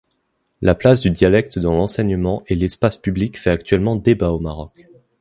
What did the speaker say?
La place du dialecte dans l'enseignement et l'espace public fait actuellement débat au Maroc.